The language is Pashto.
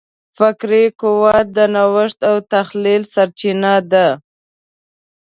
فکري قوت د نوښت او تخیل سرچینه ده.